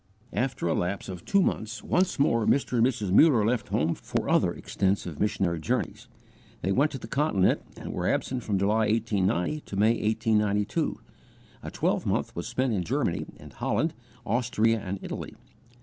After a lapse of two months, once more Mr. and Mrs. Muller left home for other extensive missionary journeys. They went to the Continent and were absent from July, 1890, to May, 1892. A twelvemonth was spent in Germany and Holland, Austria and Italy.